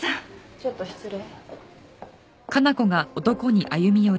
ちょっと失礼。